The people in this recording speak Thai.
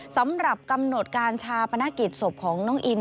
สำหรับกำหนดการชาปนกิจศพของน้องอิน